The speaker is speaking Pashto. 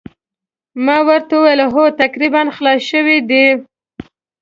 ما ورته وویل هو تقریباً خلاص شوي دي.